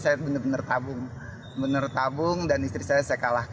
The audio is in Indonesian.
meski usia bertambah seluruh personel guns n' roses ini masih memiliki performa yang sangat baik